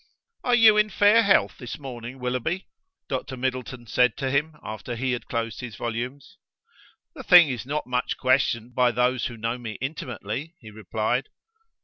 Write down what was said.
"Are you in fair health this morning, Willoughby?" Dr. Middleton said to him after he had closed his volumes. "The thing is not much questioned by those who know me intimately," he replied.